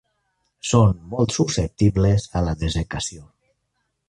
Són molt susceptibles a la dessecació.